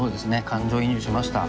感情移入しました。